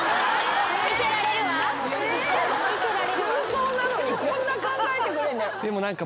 空想なのにこんな考えてくれんだよ。